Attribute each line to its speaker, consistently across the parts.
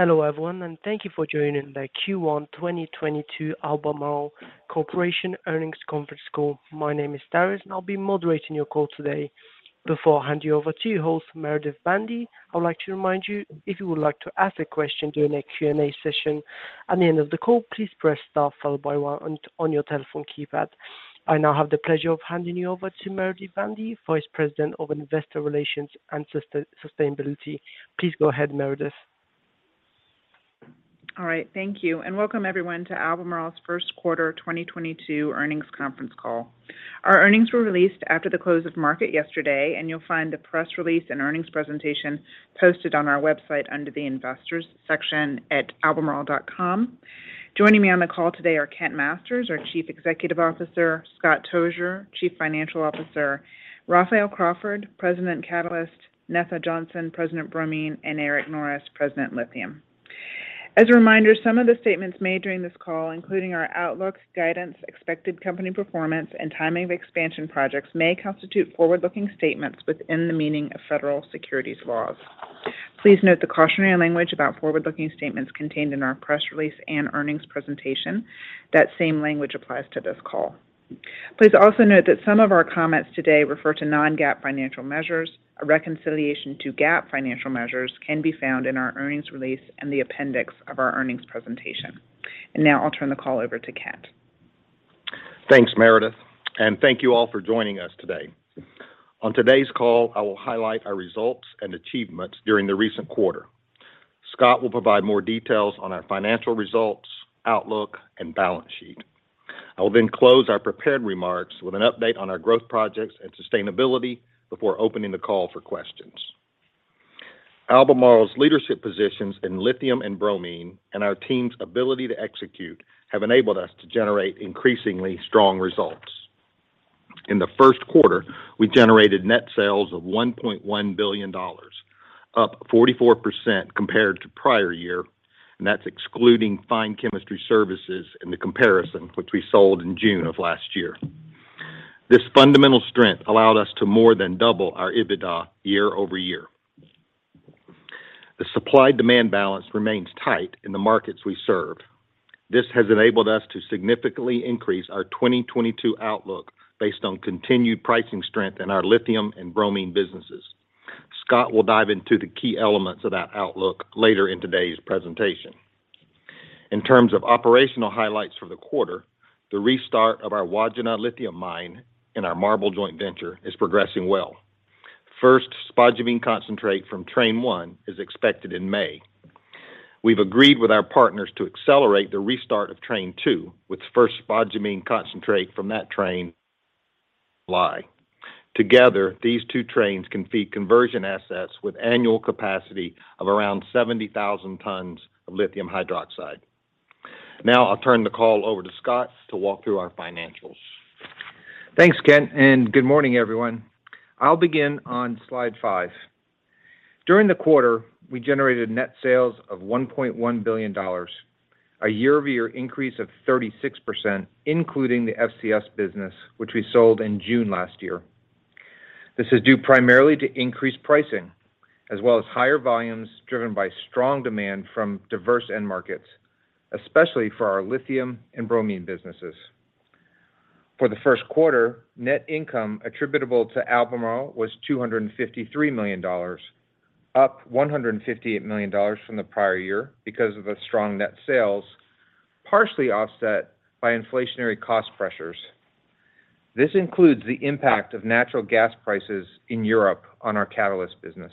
Speaker 1: Hello, everyone, and thank you for joining the Q1 2022 Albemarle Corporation Earnings Conference Call. My name is Darius, and I'll be moderating your call today. Before I hand you over to your host, Meredith Bandy, I would like to remind you, if you would like to ask a question during the Q&A session at the end of the call, please press star followed by one on your telephone keypad. I now have the pleasure of handing you over to Meredith Bandy, Vice President of Investor Relations and Sustainability. Please go ahead, Meredith.
Speaker 2: All right. Thank you. Welcome everyone to Albemarle's First Quarter 2022 Earnings Conference Call. Our earnings were released after the close of market yesterday, and you'll find the press release and earnings presentation posted on our website under the Investors section at albemarle.com. Joining me on the call today are Kent Masters, our Chief Executive Officer, Scott Tozier, Chief Financial Officer, Raphael Crawford, President, Catalysts, Netha Johnson, President, Bromine, and Eric Norris, President, Lithium. As a reminder, some of the statements made during this call, including our outlooks, guidance, expected company performance, and timing of expansion projects, may constitute forward-looking statements within the meaning of federal securities laws. Please note the cautionary language about forward-looking statements contained in our press release and earnings presentation. That same language applies to this call. Please also note that some of our comments today refer to Non-GAAP financial measures. A reconciliation to GAAP financial measures can be found in our earnings release and the appendix of our earnings presentation. Now I'll turn the call over to Kent.
Speaker 3: Thanks, Meredith, and thank you all for joining us today. On today's call, I will highlight our results and achievements during the recent quarter. Scott will provide more details on our financial results, outlook, and balance sheet. I will then close our prepared remarks with an update on our growth projects and sustainability before opening the call for questions. Albemarle's leadership positions in lithium and bromine and our team's ability to execute have enabled us to generate increasingly strong results. In the first quarter, we generated net sales of $1.1 billion, up 44% compared to prior year, and that's excluding Fine Chemistry Services in the comparison, which we sold in June of last year. This fundamental strength allowed us to more than double our EBITDA year-over-year. The supply-demand balance remains tight in the markets we serve. This has enabled us to significantly increase our 2022 outlook based on continued pricing strength in our lithium and bromine businesses. Scott will dive into the key elements of that outlook later in today's presentation. In terms of operational highlights for the quarter, the restart of our Wodgina Lithium Mine and our MARBL joint venture is progressing well. First spodumene concentrate from train 1 is expected in May. We've agreed with our partners to accelerate the restart of train 2, with first spodumene concentrate from that train. Together, these two trains can feed conversion assets with annual capacity of around 70,000 tons of lithium hydroxide. Now I'll turn the call over to Scott to walk through our financials.
Speaker 4: Thanks, Kent, and good morning, everyone. I'll begin on slide five. During the quarter, we generated net sales of $1.1 billion, a year-over-year increase of 36%, including the FCS business, which we sold in June last year. This is due primarily to increased pricing as well as higher volumes driven by strong demand from diverse end markets, especially for our lithium and bromine businesses. For the first quarter, net income attributable to Albemarle was $253 million, up $158 million from the prior year because of the strong net sales, partially offset by inflationary cost pressures. This includes the impact of natural gas prices in Europe on our catalyst business.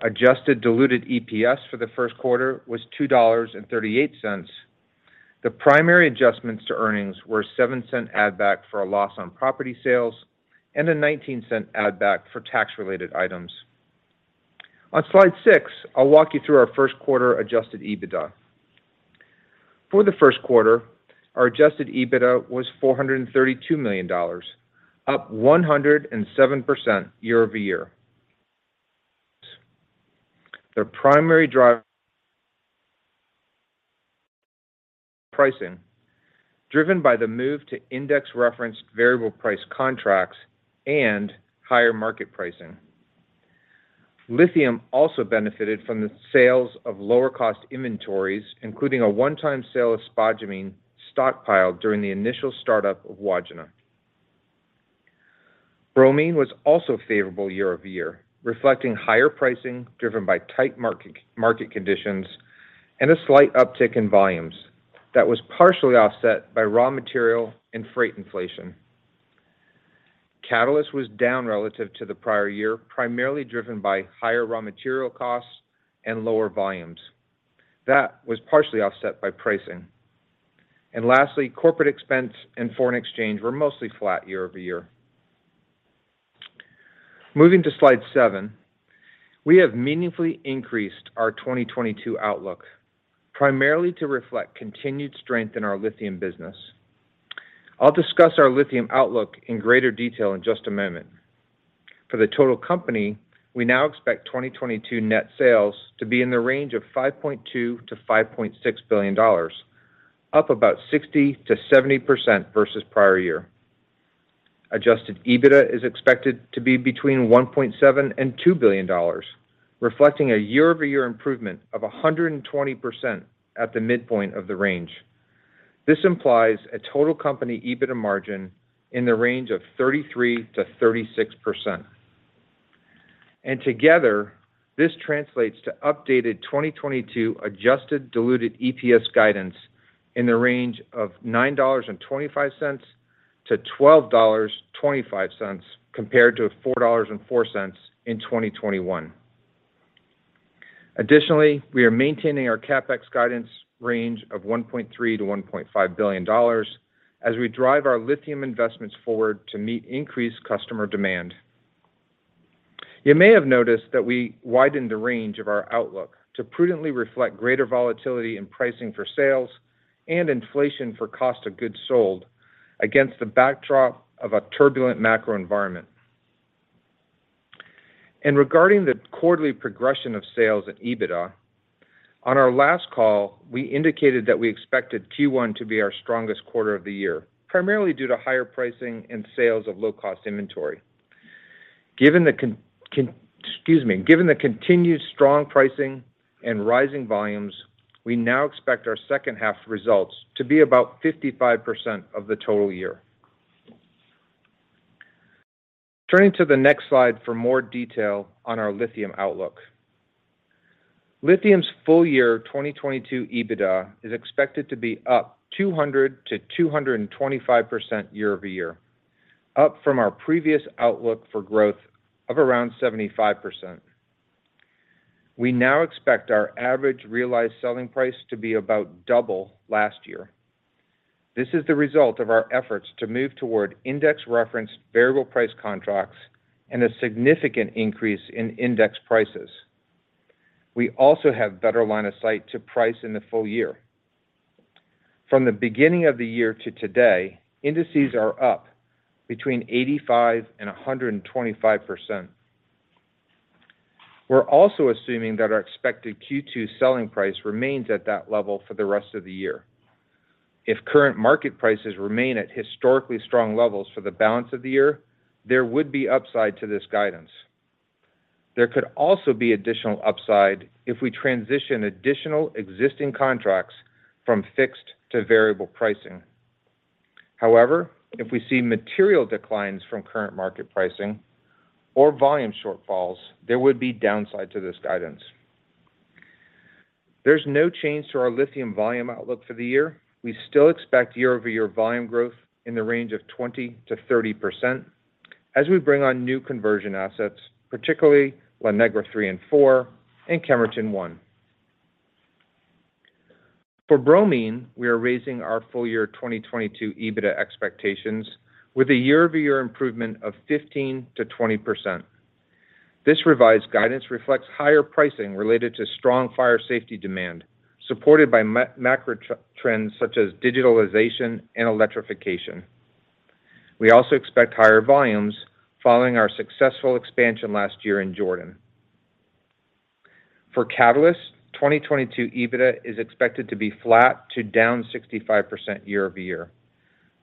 Speaker 4: Adjusted diluted EPS for the first quarter was $2.38. The primary adjustments to earnings were a $0.07 add-back for a loss on property sales and a $0.19 add-back for tax-related items. On slide six, I'll walk you through our first-quarter Adjusted EBITDA. For the first quarter, our Adjusted EBITDA was $432 million, up 107% year-over-year. The primary driver, pricing, driven by the move to index-referenced variable price contracts and higher market pricing. Lithium also benefited from the sales of lower-cost inventories, including a one-time sale of spodumene stockpiled during the initial startup of Wodgina. Bromine was also favorable year-over-year, reflecting higher pricing driven by tight market conditions and a slight uptick in volumes that was partially offset by raw material and freight inflation. Catalysts was down relative to the prior year, primarily driven by higher raw material costs and lower volumes. That was partially offset by pricing. Lastly, corporate expense and foreign exchange were mostly flat year-over-year. Moving to slide seven, we have meaningfully increased our 2022 outlook, primarily to reflect continued strength in our lithium business. I'll discuss our lithium outlook in greater detail in just a moment. For the total company, we now expect 2022 net sales to be in the range of $5.2 billion-$5.6 billion, up about 60%-70% versus prior year. Adjusted EBITDA is expected to be between $1.7 billion and $2 billion, reflecting a year-over-year improvement of 120% at the midpoint of the range. This implies a total company EBITDA margin in the range of 33%-36%. Together, this translates to updated 2022 adjusted diluted EPS guidance in the range of $9.25-$12.25, compared to $4.04 in 2021. Additionally, we are maintaining our CapEx guidance range of $1.3 billion-$1.5 billion as we drive our lithium investments forward to meet increased customer demand. You may have noticed that we widened the range of our outlook to prudently reflect greater volatility in pricing for sales and inflation for cost of goods sold against the backdrop of a turbulent macro environment. Regarding the quarterly progression of sales and EBITDA, on our last call, we indicated that we expected Q1 to be our strongest quarter of the year, primarily due to higher pricing and sales of low cost inventory. Given the continued strong pricing and rising volumes, we now expect our second half results to be about 55% of the total year. Turning to the next slide for more detail on our lithium outlook. Lithium's full year 2022 EBITDA is expected to be up 200%-225% year-over-year, up from our previous outlook for growth of around 75%. We now expect our average realized selling price to be about double last year. This is the result of our efforts to move toward index-referenced variable price contracts and a significant increase in index prices. We also have better line of sight to price in the full year. From the beginning of the year to today, indices are up between 85% and 125%. We're also assuming that our expected Q2 selling price remains at that level for the rest of the year. If current market prices remain at historically strong levels for the balance of the year, there would be upside to this guidance. There could also be additional upside if we transition additional existing contracts from fixed to variable pricing. However, if we see material declines from current market pricing or volume shortfalls, there would be downside to this guidance. There's no change to our lithium volume outlook for the year. We still expect year-over-year volume growth in the range of 20%-30% as we bring on new conversion assets, particularly La Negra III and IV and Kemerton I. For bromine, we are raising our full year 2022 EBITDA expectations with a year-over-year improvement of 15%-20%. This revised guidance reflects higher pricing related to strong fire safety demand, supported by macro trends such as digitalization and electrification. We also expect higher volumes following our successful expansion last year in Jordan. For catalysts, 2022 EBITDA is expected to be flat to down 65% year-over-year.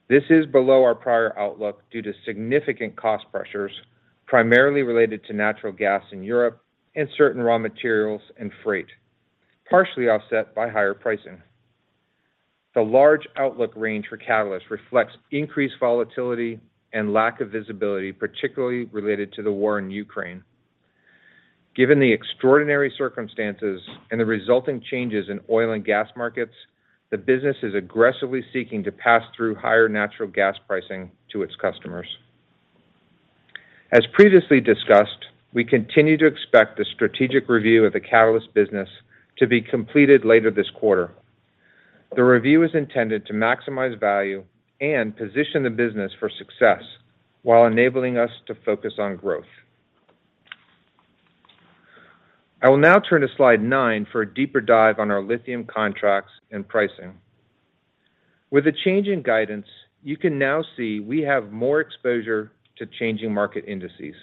Speaker 4: This is below our prior outlook due to significant cost pressures, primarily related to natural gas in Europe and certain raw materials and freight, partially offset by higher pricing. The large outlook range for catalyst reflects increased volatility and lack of visibility, particularly related to the war in Ukraine. Given the extraordinary circumstances and the resulting changes in oil and gas markets, the business is aggressively seeking to pass through higher natural gas pricing to its customers. As previously discussed, we continue to expect the strategic review of the Catalyst business to be completed later this quarter. The review is intended to maximize value and position the business for success while enabling us to focus on growth. I will now turn to slide nine for a deeper dive on our lithium contracts and pricing. With the change in guidance, you can now see we have more exposure to changing market indices.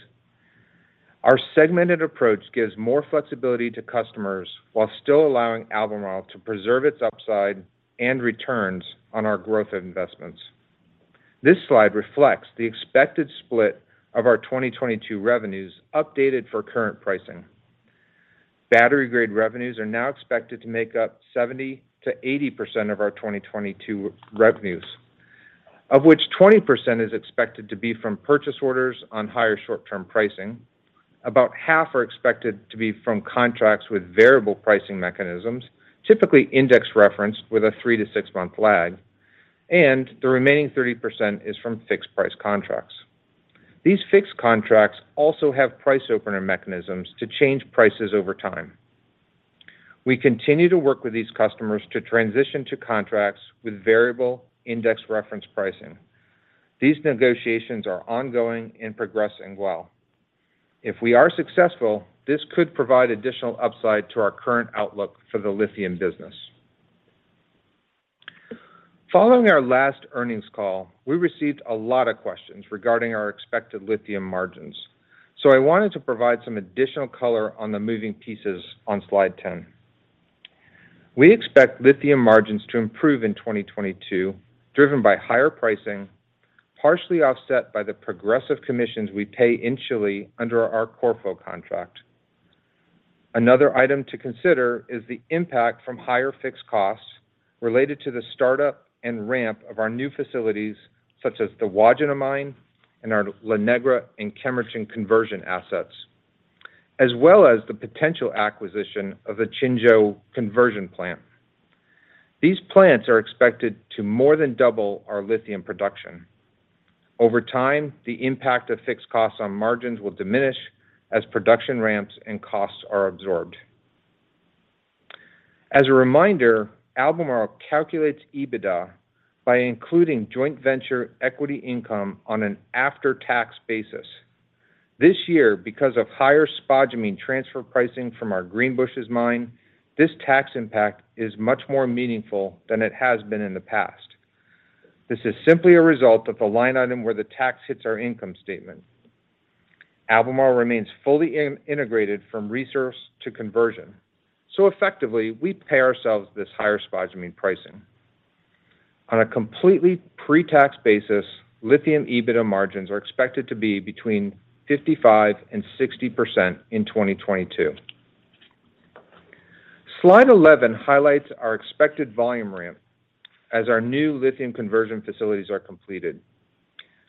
Speaker 4: Our segmented approach gives more flexibility to customers while still allowing Albemarle to preserve its upside and returns on our growth investments. This slide reflects the expected split of our 2022 revenues updated for current pricing. Battery-grade revenues are now expected to make up 70%-80% of our 2022 revenues, of which 20% is expected to be from purchase orders on higher short-term pricing. About half are expected to be from contracts with variable pricing mechanisms, typically index-referenced with a three to six month lag, and the remaining 30% is from fixed price contracts. These fixed contracts also have price opener mechanisms to change prices over time. We continue to work with these customers to transition to contracts with variable index reference pricing. These negotiations are ongoing and progressing well. If we are successful, this could provide additional upside to our current outlook for the ithium business. Following our last earnings call, we received a lot of questions regarding our expected lithium margins, so I wanted to provide some additional color on the moving pieces on slide 10. We expect lithium margins to improve in 2022, driven by higher pricing, partially offset by the progressive commissions we pay in Chile under our CORFO contract. Another item to consider is the impact from higher fixed costs related to the startup and ramp of our new facilities, such as the Wodgina mine and our La Negra and Kemerton conversion assets, as well as the potential acquisition of the Qingzhou conversion plant. These plants are expected to more than double our lithium production. Over time, the impact of fixed costs on margins will diminish as production ramps and costs are absorbed. As a reminder, Albemarle calculates EBITDA by including joint venture equity income on an after-tax basis. This year, because of higher spodumene transfer pricing from our Greenbushes mine, this tax impact is much more meaningful than it has been in the past. This is simply a result of a line item where the tax hits our income statement. Albemarle remains fully integrated from resource to conversion, so effectively, we pay ourselves this higher spodumene pricing. On a completely pre-tax basis, lithium EBITDA margins are expected to be between 55%-60% in 2022. Slide 11 highlights our expected volume ramp as our new lithium conversion facilities are completed.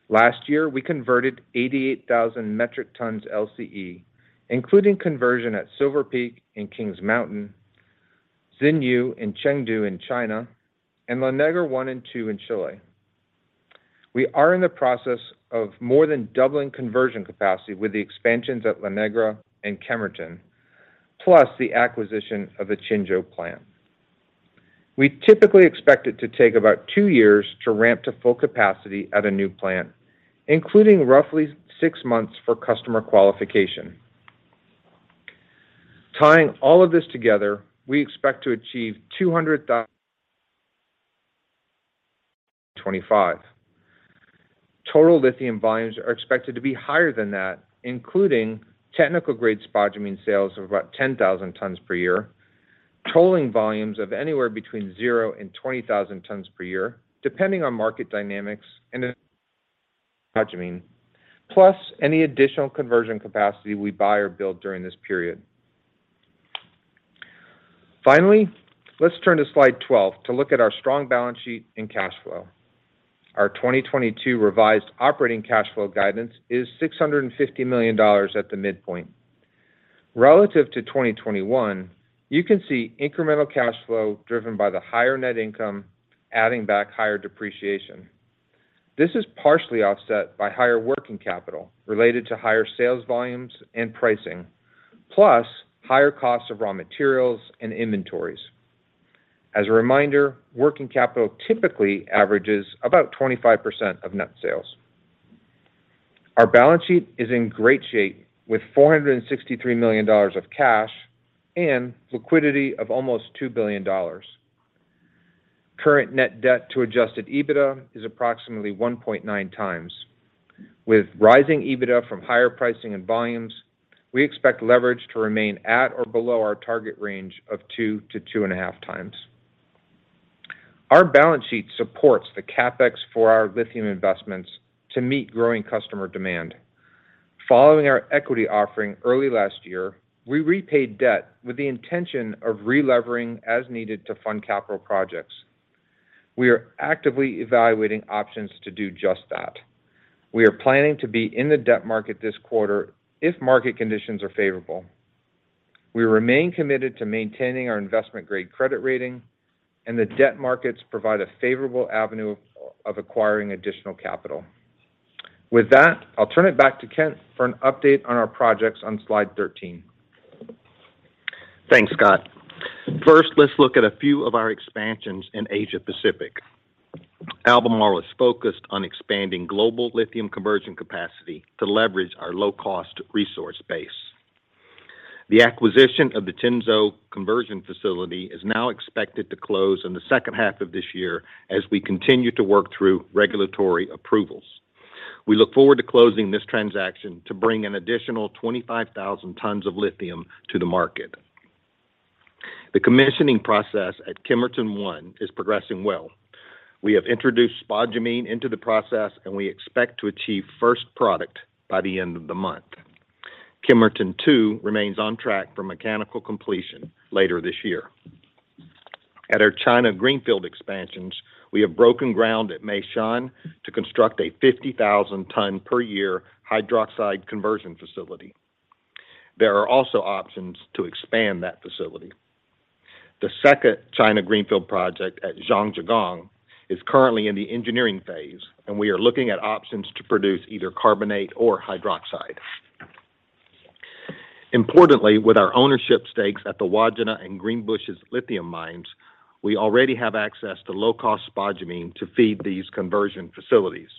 Speaker 4: Last year, we converted 88,000 metric tons LCE, including conversion at Silver Peak and Kings Mountain, Xinyu and Chengdu in China, and La Negra I and II in Chile. We are in the process of more than doubling conversion capacity with the expansions at La Negra and Kemerton, plus the acquisition of the Qingzhou plant. We typically expect it to take about two years to ramp to full capacity at a new plant, including roughly six months for customer qualification. Tying all of this together, we expect to achieve 200,000 2025. Total lithium volumes are expected to be higher than that, including technical-grade spodumene sales of about 10,000 tons per year, tolling volumes of anywhere between zero and 20,000 tons per year, depending on market dynamics and spodumene, plus any additional conversion capacity we buy or build during this period. Finally, let's turn to slide 12 to look at our strong balance sheet and cash flow. Our 2022 revised operating cash flow guidance is $650 million at the midpoint. Relative to 2021, you can see incremental cash flow driven by the higher net income, adding back higher depreciation. This is partially offset by higher working capital related to higher sales volumes and pricing, plus higher costs of raw materials and inventories. As a reminder, working capital typically averages about 25% of net sales. Our balance sheet is in great shape with $463 million of cash and liquidity of almost $2 billion. Current net debt to Adjusted EBITDA is approximately 1.9x. With rising EBITDA from higher pricing and volumes, we expect leverage to remain at or below our target range of 2-2.5x. Our balance sheet supports the CapEx for our lithium investments to meet growing customer demand. Following our equity offering early last year, we repaid debt with the intention of relevering as needed to fund capital projects. We are actively evaluating options to do just that. We are planning to be in the debt market this quarter if market conditions are favorable. We remain committed to maintaining our investment-grade credit rating, and the debt markets provide a favorable avenue of acquiring additional capital. With that, I'll turn it back to Kent for an update on our projects on slide 13.
Speaker 3: Thanks, Scott. First, let's look at a few of our expansions in Asia Pacific. Albemarle is focused on expanding global lithium conversion capacity to leverage our low-cost resource base. The acquisition of the Qingzhou conversion facility is now expected to close in the second half of this year as we continue to work through regulatory approvals. We look forward to closing this transaction to bring an additional 25,000 tons of lithium to the market. The commissioning process at Kemerton I is progressing well. We have introduced spodumene into the process, and we expect to achieve first product by the end of the month. Kemerton II remains on track for mechanical completion later this year. At our China greenfield expansions, we have broken ground at Meishan to construct a 50,000-ton per year hydroxide conversion facility. There are also options to expand that facility. The second China greenfield project at Zhangjiagang is currently in the engineering phase, and we are looking at options to produce either carbonate or hydroxide. Importantly, with our ownership stakes at the Wodgina and Greenbushes Lithium Mines, we already have access to low-cost spodumene to feed these conversion facilities.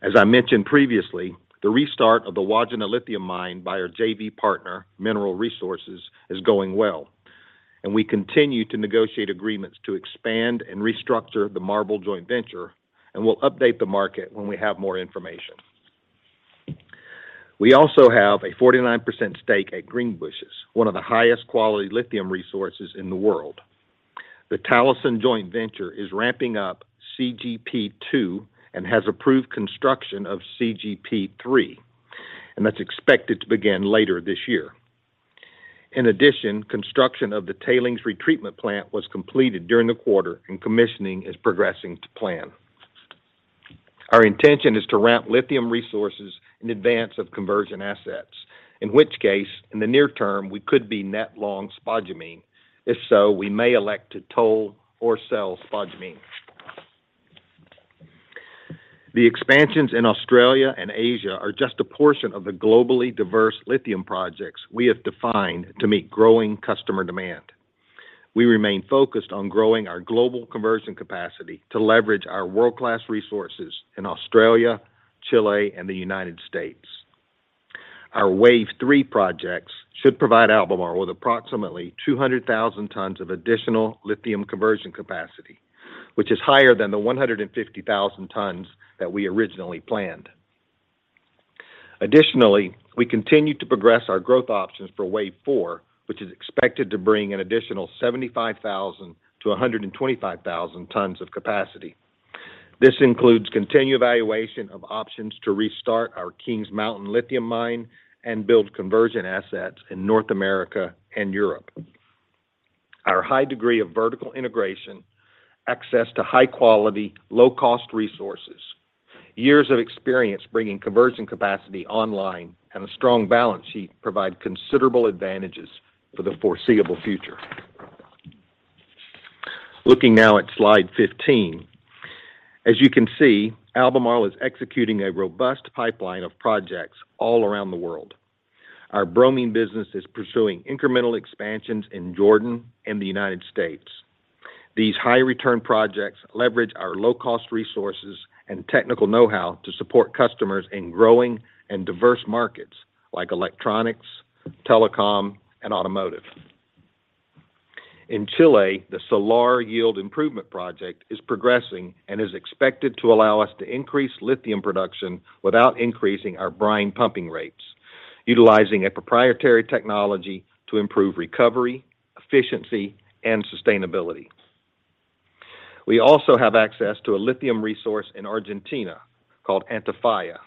Speaker 3: As I mentioned previously, the restart of the Wodgina Lithium Mine by our JV partner, Mineral Resources, is going well, and we continue to negotiate agreements to expand and restructure the MARBL joint venture, and we'll update the market when we have more information. We also have a 49% stake at Greenbushes, one of the highest quality lithium resources in the world. The Talison joint venture is ramping up CGP2 and has approved construction of CGP3, and that's expected to begin later this year. In addition, construction of the tailings retreatment plant was completed during the quarter, and commissioning is progressing to plan. Our intention is to ramp lithium resources in advance of conversion assets, in which case, in the near term, we could be net long spodumene. If so, we may elect to toll or sell spodumene. The expansions in Australia and Asia are just a portion of the globally diverse lithium projects we have defined to meet growing customer demand. We remain focused on growing our global conversion capacity to leverage our world-class resources in Australia, Chile, and the United States. Our Wave 3 projects should provide Albemarle with approximately 200,000 tons of additional lithium conversion capacity, which is higher than the 150,000 tons that we originally planned. Additionally, we continue to progress our growth options for Wave 4, which is expected to bring an additional 75,000 to 125,000 tons of capacity. This includes continued evaluation of options to restart our Kings Mountain lithium mine and build conversion assets in North America and Europe. Our high degree of vertical integration, access to high-quality, low-cost resources, years of experience bringing conversion capacity online, and a strong balance sheet provide considerable advantages for the foreseeable future. Looking now at slide 15. As you can see, Albemarle is executing a robust pipeline of projects all around the world. Our Bromine business is pursuing incremental expansions in Jordan and the United States. These high-return projects leverage our low-cost resources and technical know-how to support customers in growing and diverse markets like electronics, telecom, and automotive. In Chile, the Salar Yield Improvement Project is progressing and is expected to allow us to increase lithium production without increasing our brine pumping rates, utilizing a proprietary technology to improve recovery, efficiency, and sustainability. We also have access to a lithium resource in Argentina called Antofalla.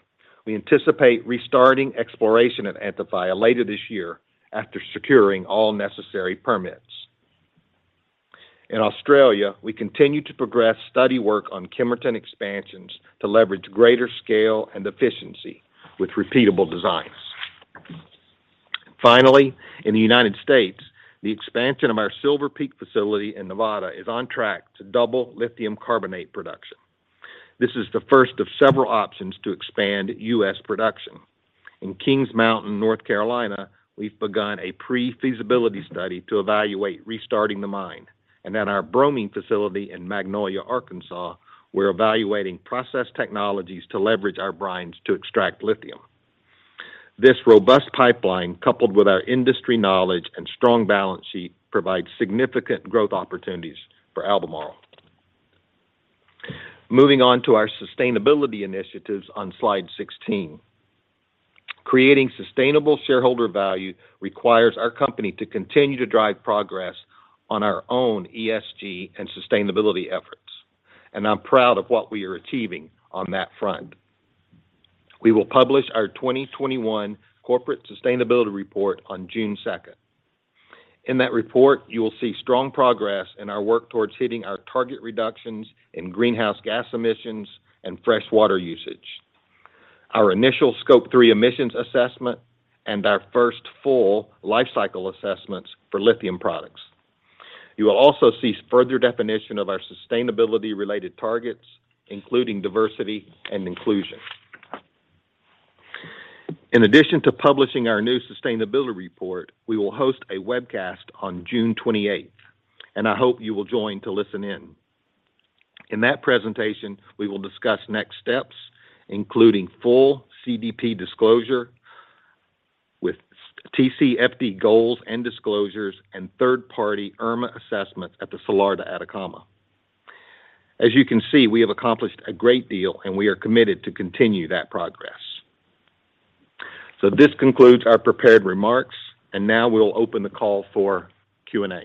Speaker 3: We anticipate restarting exploration at Antofalla later this year after securing all necessary permits. In Australia, we continue to progress study work on Kemerton expansions to leverage greater scale and efficiency with repeatable designs. Finally, in the United States, the expansion of our Silver Peak facility in Nevada is on track to double lithium carbonate production. This is the first of several options to expand U.S. production. In Kings Mountain, North Carolina, we've begun a pre-feasibility study to evaluate restarting the mine. At our bromine facility in Magnolia, Arkansas, we're evaluating process technologies to leverage our brines to extract lithium. This robust pipeline, coupled with our industry knowledge and strong balance sheet, provides significant growth opportunities for Albemarle. Moving on to our sustainability initiatives on slide 16. Creating sustainable shareholder value requires our company to continue to drive progress on our own ESG and sustainability efforts, and I'm proud of what we are achieving on that front. We will publish our 2021 corporate sustainability report on June 2nd. In that report, you will see strong progress in our work towards hitting our target reductions in greenhouse gas emissions and fresh water usage, our Initial Scope 3 Emissions assessment, and our first full life cycle assessments for lithium products. You will also see further definition of our sustainability-related targets, including diversity and inclusion. In addition to publishing our new sustainability report, we will host a webcast on June 28, and I hope you will join to listen in. In that presentation, we will discuss next steps, including full CDP disclosure with TCFD goals and disclosures and third-party IRMA assessments at the Salar de Atacama. As you can see, we have accomplished a great deal, and we are committed to continue that progress. This concludes our prepared remarks, and now we'll open the call for Q&A.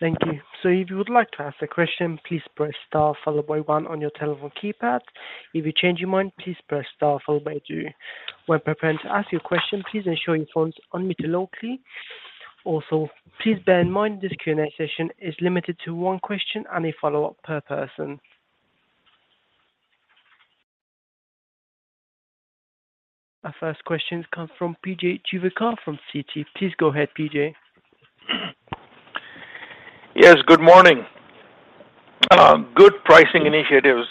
Speaker 1: Thank you. If you would like to ask a question, please press star followed by one on your telephone keypad. If you change your mind, please press star followed by two. When preparing to ask your question, please ensure your phone's unmuted locally. Also, please bear in mind this Q&A session is limited to one question and a follow-up per person. Our first question comes from PJ Juvekar from Citi. Please go ahead, PJ.
Speaker 5: Yes, good morning. Good pricing initiatives.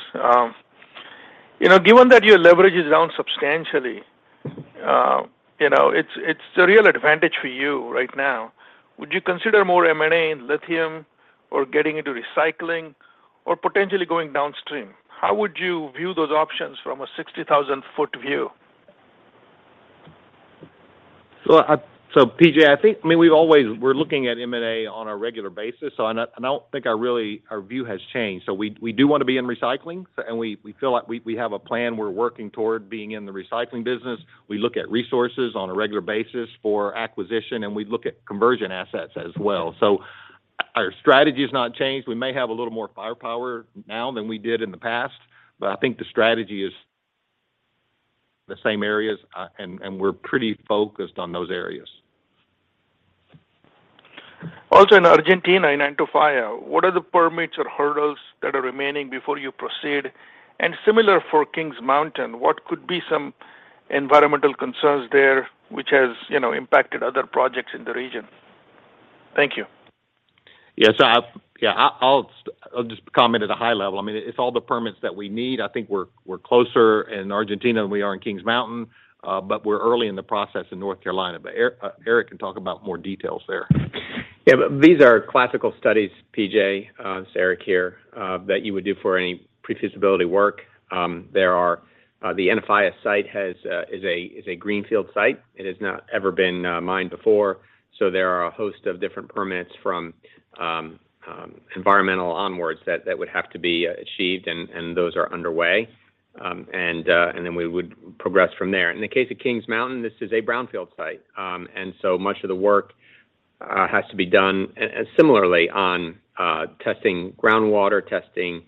Speaker 5: You know, given that your leverage is down substantially, you know, it's a real advantage for you right now. Would you consider more M&A in lithium or getting into recycling or potentially going downstream? How would you view those options from a 60,000-foot view?
Speaker 3: PJ, I think, I mean, we're looking at M&A on a regular basis, so I don't think, really, our view has changed. We do wanna be in recycling. We feel like we have a plan. We're working toward being in the recycling business. We look at resources on a regular basis for acquisition, and we look at conversion assets as well. Our strategy has not changed. We may have a little more firepower now than we did in the past, but I think the strategy is the same areas, and we're pretty focused on those areas.
Speaker 5: Also in Argentina, in Antofalla, what are the permits or hurdles that are remaining before you proceed? Similar for Kings Mountain, what could be some environmental concerns there which has, you know, impacted other projects in the region? Thank you.
Speaker 3: Yes. I'll just comment at a high level. I mean, it's all the permits that we need. I think we're closer in Argentina than we are in Kings Mountain, but we're early in the process in North Carolina. Eric can talk about more details there.
Speaker 6: Yeah. These are classical studies, PJ, this is Eric here, that you would do for any pre-feasibility work. There are the Antofalla site is a greenfield site. It has not ever been mined before, so there are a host of different permits from environmental onwards that would have to be achieved, and those are underway. We would progress from there. In the case of Kings Mountain, this is a brownfield site, and so much of the work has to be done similarly on testing groundwater, testing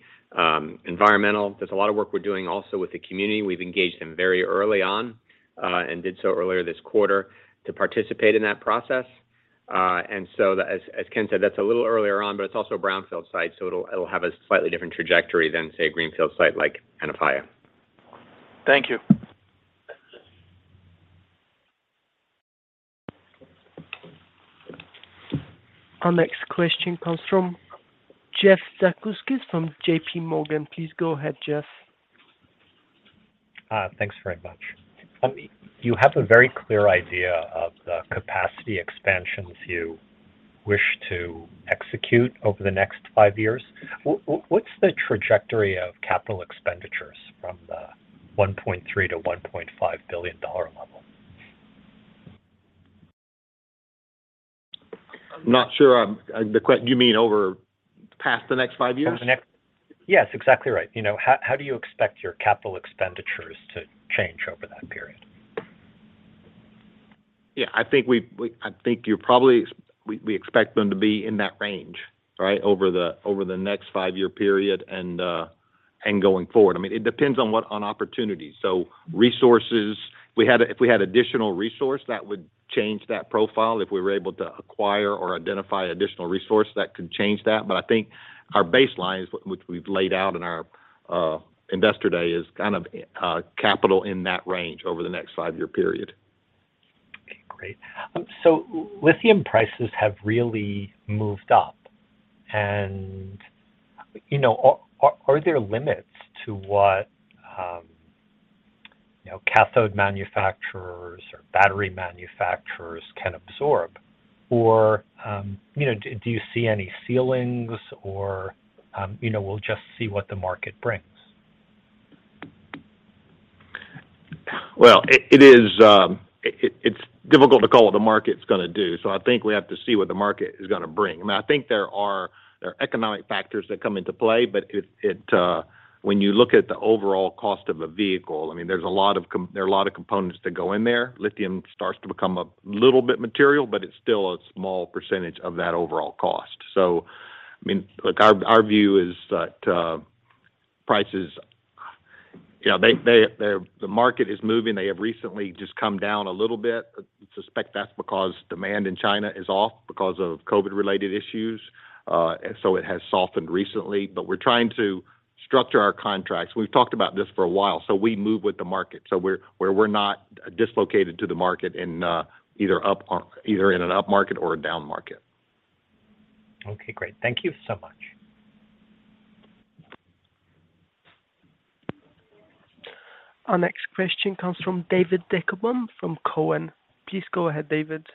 Speaker 6: environmental. There's a lot of work we're doing also with the community. We've engaged them very early on, and did so earlier this quarter to participate in that process. As Kent said, that's a little earlier on, but it's also a brownfield site, so it'll have a slightly different trajectory than, say, a greenfield site like Antofalla.
Speaker 5: Thank you.
Speaker 1: Our next question comes from Jeff Zekauskas from JPMorgan. Please go ahead, Jeff.
Speaker 7: Thanks very much. You have a very clear idea of the capacity expansions you wish to execute over the next five years. What's the trajectory of capital expenditures from the $1.3-$1.5 billion level?
Speaker 3: Not sure. You mean over past the next five years?
Speaker 7: Yes, exactly right. You know, how do you expect your capital expenditures to change over that period?
Speaker 3: Yeah. I think we expect them to be in that range, right, over the next five-year period and going forward. I mean, it depends on opportunities. Resources. If we had additional resource, that would change that profile. If we were able to acquire or identify additional resource, that could change that. I think our baseline, which we've laid out in our Investor Day, is kind of capital in that range over the next five-year period.
Speaker 7: Okay, great. Lithium prices have really moved up and, you know, are there limits to what, you know, cathode manufacturers or battery manufacturers can absorb? Or, you know, do you see any ceilings or, you know, we'll just see what the market brings?
Speaker 3: It's difficult to call what the market's gonna do, so I think we have to see what the market is gonna bring. I mean, I think there are economic factors that come into play, but it. When you look at the overall cost of a vehicle, I mean, there are a lot of components that go in there. Lithium starts to become a little bit material, but it's still a small percentage of that overall cost. I mean, look, our view is that prices, you know, they're. The market is moving. They have recently just come down a little bit. I suspect that's because demand in China is off because of COVID-related issues, and so it has softened recently. We're trying to structure our contracts. We've talked about this for a while, so we move with the market, so we're not dislocated to the market in either an upmarket or a downmarket.
Speaker 7: Okay, great. Thank you so much.
Speaker 1: Our next question comes from David Deckelbaum from Cowen. Please go ahead, David.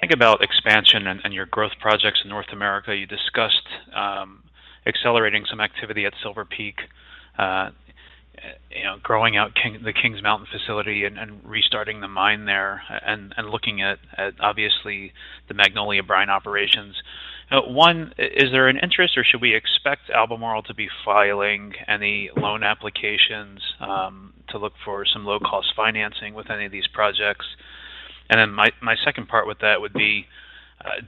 Speaker 8: Think about expansion and your growth projects in North America. You discussed accelerating some activity at Silver Peak, you know, growing out Kings Mountain facility and restarting the mine there and looking at obviously the Magnolia Brine operations. One, is there an interest, or should we expect Albemarle to be filing any loan applications to look for some low-cost financing with any of these projects? Then my second part with that would be,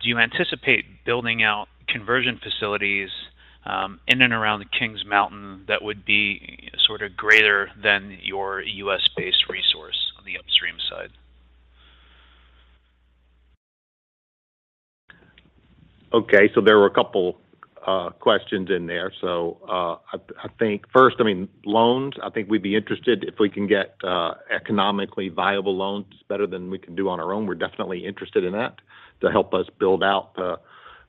Speaker 8: do you anticipate building out conversion facilities in and around the Kings Mountain that would be sort of greater than your US-based resource on the upstream side?
Speaker 3: Okay, there were a couple questions in there. I think first, I mean, loans. I think we'd be interested if we can get economically viable loans better than we can do on our own. We're definitely interested in that to help us build out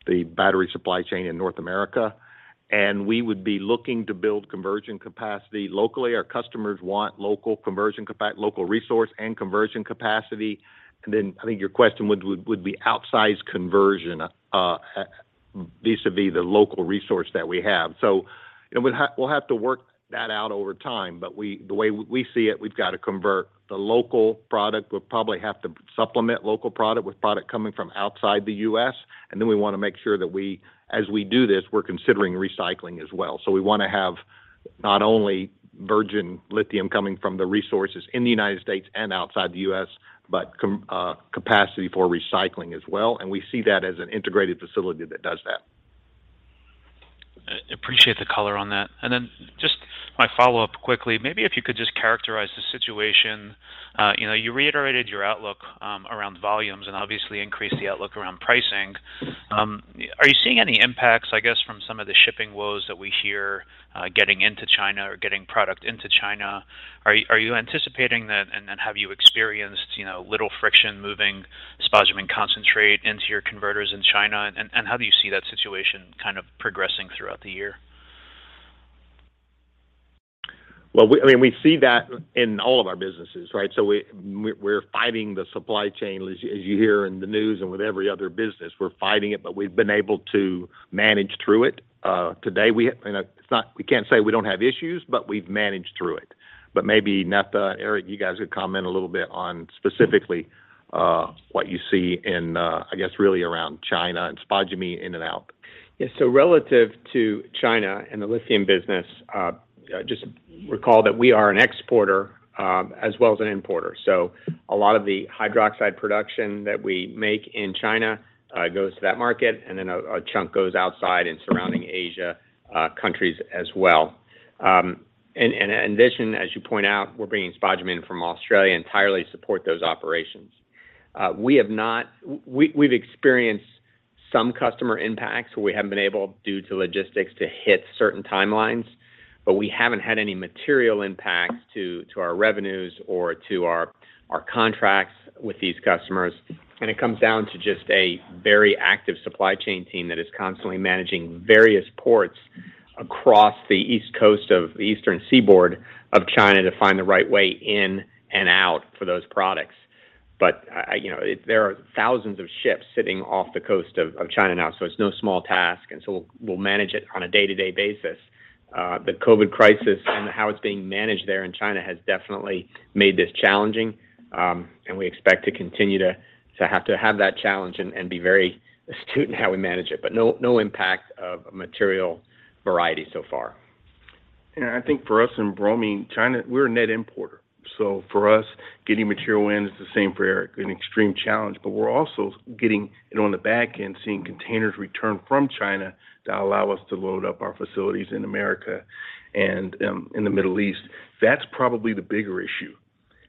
Speaker 3: the battery supply chain in North America. We would be looking to build conversion capacity locally. Our customers want local resource and conversion capacity. I think your question would be outsized conversion. These would be the local resource that we have. We'll have to work that out over time. The way we see it, we've got to convert the local product. We'll probably have to supplement local product with product coming from outside the U.S., and then we wanna make sure that as we do this, we're considering recycling as well. We wanna have not only virgin lithium coming from the resources in the United States and outside the U.S., but capacity for recycling as well, and we see that as an integrated facility that does that.
Speaker 8: Appreciate the color on that. Just my follow-up quickly, maybe if you could just characterize the situation. You know, you reiterated your outlook around volumes and obviously increased the outlook around pricing. Yeah, are you seeing any impacts, I guess, from some of the shipping woes that we hear getting into China or getting product into China? Are you anticipating that, and then have you experienced, you know, little friction moving spodumene concentrate into your converters in China? And how do you see that situation kind of progressing throughout the year?
Speaker 3: I mean, we see that in all of our businesses, right? We're fighting the supply chain, as you hear in the news and with every other business. We're fighting it, but we've been able to manage through it. We can't say we don't have issues, but we've managed through it. Maybe Netha, Eric, you guys could comment a little bit on specifically what you see in, I guess, really around China and spodumene in and out.
Speaker 6: Yeah. Relative to China and the Lithium business, just recall that we are an exporter, as well as an importer. A lot of the hydroxide production that we make in China goes to that market, and then a chunk goes outside in surrounding Asian countries as well. In addition, as you point out, we're bringing spodumene from Australia entirely to support those operations. We've experienced some customer impacts. We haven't been able, due to logistics, to hit certain timelines, but we haven't had any material impacts to our revenues or to our contracts with these customers. It comes down to just a very active supply chain team that is constantly managing various ports across the East Coast of the Eastern Seaboard of China to find the right way in and out for those products. You know, there are thousands of ships sitting off the coast of China now, so it's no small task, and so we'll manage it on a day-to-day basis. The COVID crisis and how it's being managed there in China has definitely made this challenging, and we expect to continue to have that challenge and be very astute in how we manage it, but no impact of a material variety so far.
Speaker 9: I think for us in bromine, China, we're a net importer. For us, getting material in is the same for Eric, an extreme challenge. We're also getting it on the back end, seeing containers return from China that allow us to load up our facilities in America and in the Middle East. That's probably the bigger issue,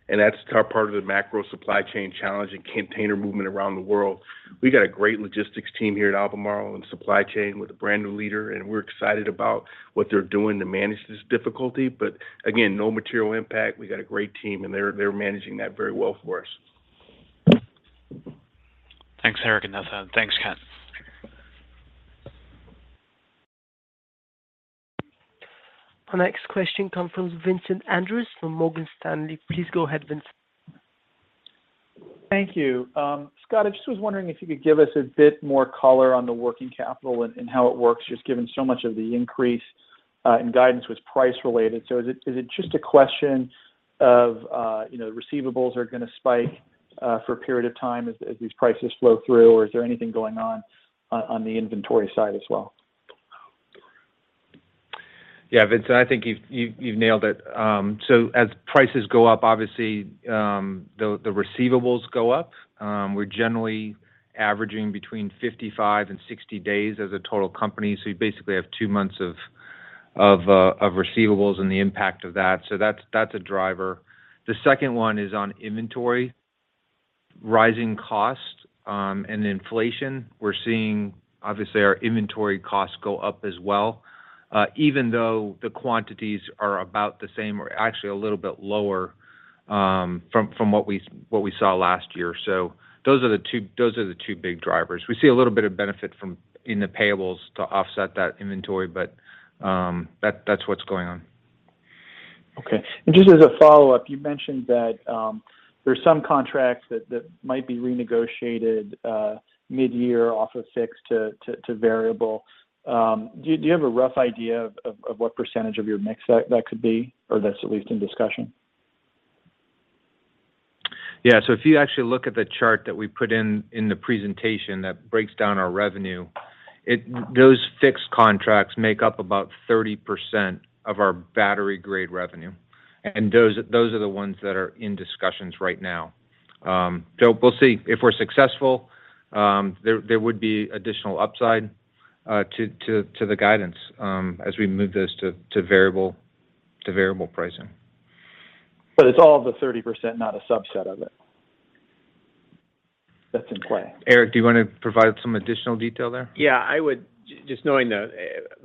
Speaker 9: and that's part of the macro supply chain challenge and container movement around the world. We got a great logistics team here at Albemarle and supply chain with a brand new leader, and we're excited about what they're doing to manage this difficulty. Again, no material impact. We got a great team and they're managing that very well for us.
Speaker 8: Thanks, Eric and Netha. Thanks, Kent.
Speaker 1: Our next question comes from Vincent Andrews from Morgan Stanley. Please go ahead, Vincent.
Speaker 10: Thank you. Scott, I just was wondering if you could give us a bit more color on the working capital and how it works, just given so much of the increase in guidance was price related. Is it just a question of you know, receivables are gonna spike for a period of time as these prices flow through, or is there anything going on on the inventory side as well?
Speaker 4: Yeah, Vincent, I think you've nailed it. As prices go up, obviously, the receivables go up. We're generally averaging between 55 and 60 days as a total company. You basically have two months of receivables and the impact of that. That's a driver. The second one is on inventory. Rising costs and inflation, we're seeing obviously our inventory costs go up as well, even though the quantities are about the same or actually a little bit lower, from what we saw last year. Those are the two big drivers. We see a little bit of benefit from in the payables to offset that inventory, but that's what's going on.
Speaker 10: Okay. Just as a follow-up, you mentioned that there's some contracts that might be renegotiated mid-year off of fixed to variable. Do you have a rough idea of what percentage of your mix that could be or that's at least in discussion?
Speaker 4: Yeah. If you actually look at the chart that we put in the presentation that breaks down our revenue, it, those fixed contracts make up about 30% of our battery-grade revenue. Those are the ones that are in discussions right now. We'll see. If we're successful, there would be additional upside to the guidance as we move this to variable pricing.
Speaker 10: It's all of the 30%, not a subset of it that's in play.
Speaker 3: Eric, do you wanna provide some additional detail there?
Speaker 6: Yeah, I would. Just knowing the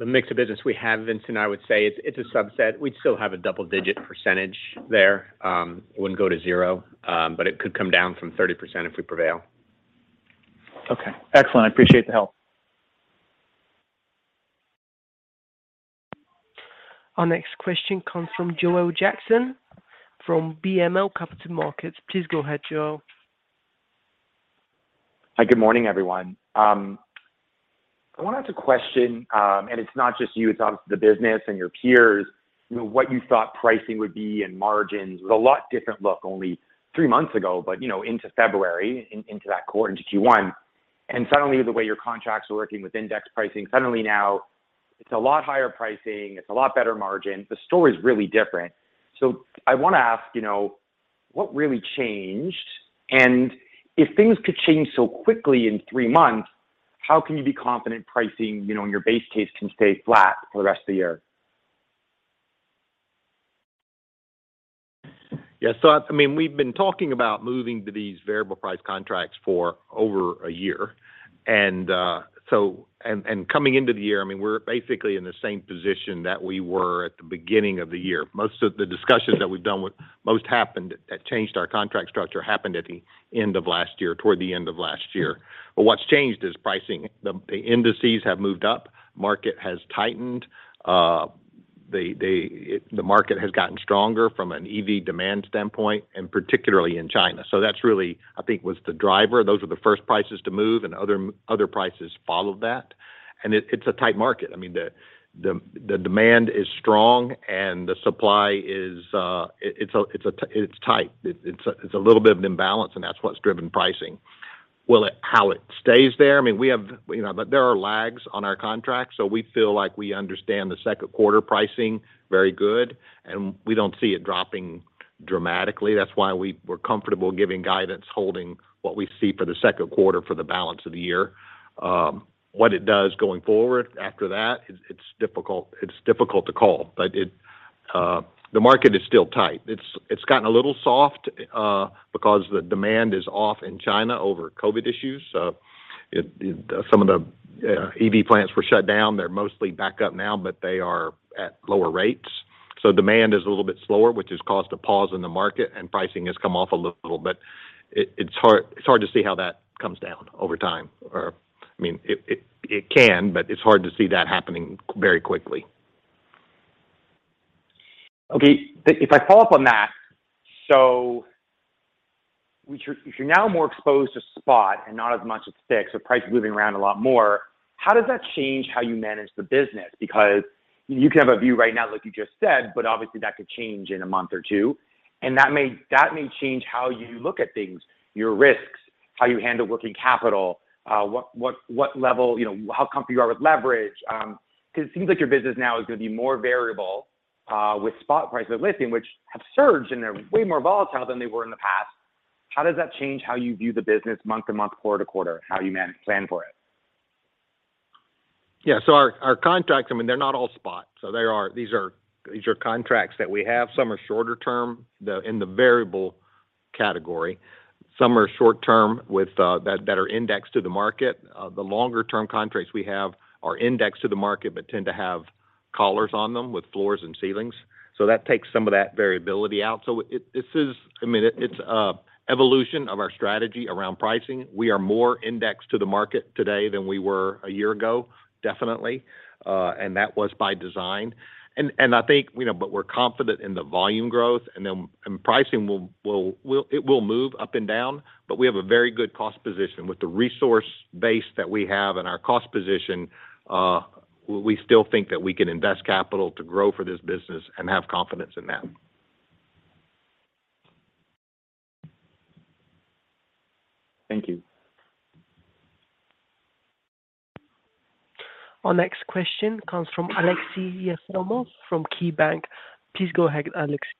Speaker 6: mix of business we have, Vincent, I would say it's a subset. We'd still have a double-digit percentage there. It wouldn't go to zero, but it could come down from 30% if we prevail.
Speaker 10: Okay. Excellent. I appreciate the help.
Speaker 1: Our next question comes from Joel Jackson from BMO Capital Markets. Please go ahead, Joel.
Speaker 11: Hi, good morning, everyone. I wanted to question, and it's not just you, it's obviously the business and your peers, you know, what you thought pricing would be and margins. It was a lot different looking only three months ago, but you know, into February, into that quarter, into Q1. Suddenly, the way your contracts were working with index pricing, suddenly now it's a lot higher pricing, it's a lot better margin. The story is really different. I wanna ask, you know, what really changed? If things could change so quickly in three months, how can you be confident pricing, you know, and your base case can stay flat for the rest of the year?
Speaker 3: Yeah. I mean, we've been talking about moving to these variable price contracts for over a year. Coming into the year, I mean, we're basically in the same position that we were at the beginning of the year. Most of the discussions that we've done with [most happened] that changed our contract structure happened at the end of last year, toward the end of last year. What's changed is pricing. The indices have moved up, market has tightened, the market has gotten stronger from an EV demand standpoint, and particularly in China. That's really, I think, was the driver. Those were the first prices to move, and other prices followed that. It's a tight market. I mean, the demand is strong and the supply is tight. It's a little bit of an imbalance, and that's what's driven pricing. There are lags on our contracts, so we feel like we understand the second quarter pricing very good, and we don't see it dropping dramatically. That's why we're comfortable giving guidance, holding what we see for the second quarter for the balance of the year. What it does going forward after that, it's difficult to call. The market is still tight. It's gotten a little soft because the demand is off in China over COVID issues. Some of the EV plants were shut down. They're mostly back up now, but they are at lower rates. Demand is a little bit slower, which has caused a pause in the market, and pricing has come off a little bit. It's hard to see how that comes down over time or, I mean, it can, but it's hard to see that happening very quickly.
Speaker 11: Okay. If I follow up on that, if you're now more exposed to spot and not as much as fixed, so price moving around a lot more, how does that change how you manage the business? Because you can have a view right now, like you just said, but obviously that could change in a month or two, and that may change how you look at things, your risks, how you handle working capital, what level, you know, how comfortable you are with leverage. 'Cause it seems like your business now is gonna be more variable, with spot prices of lithium, which have surged, and they're way more volatile than they were in the past. How does that change how you view the business month to month, quarter to quarter, how you plan for it?
Speaker 3: Yeah. Our contracts, I mean, they're not all spot. They are contracts that we have. Some are shorter term in the variable category. Some are short term with that are indexed to the market. The longer term contracts we have are indexed to the market but tend to have collars on them with floors and ceilings. That takes some of that variability out. This is, I mean, it's an evolution of our strategy around pricing. We are more indexed to the market today than we were a year ago, definitely. That was by design. I think, you know, we're confident in the volume growth, and then pricing will move up and down, but we have a very good cost position. With the resource base that we have and our cost position, we still think that we can invest capital to grow for this business and have confidence in that.
Speaker 11: Thank you.
Speaker 1: Our next question comes from Aleksey Yefremov from KeyBanc. Please go ahead, Aleksey.